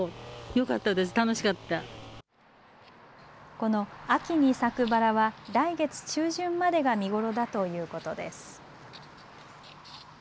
この秋に咲くバラは来月中旬までが見頃だということです。